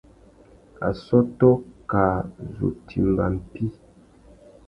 Assôtô kā zu timba mpí.